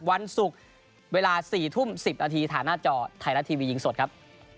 วันศุกร์เวลา๔ทุ่ม๑๐นาทีผ่านหน้าจอไทยรัฐทีวียิงสดครับ